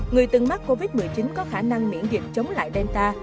người từng mắc covid một mươi chín có khả năng miễn dịch chống lại delta